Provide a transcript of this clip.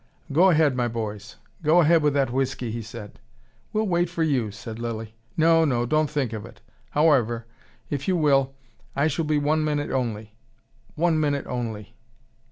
"Go ahead, my boys, go ahead with that whiskey!" he said. "We'll wait for you," said Lilly. "No, no, don't think of it. However, if you will, I shall be one minute only one minute only.